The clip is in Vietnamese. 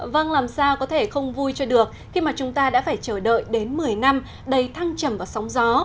vâng làm sao có thể không vui cho được khi mà chúng ta đã phải chờ đợi đến một mươi năm đầy thăng trầm vào sóng gió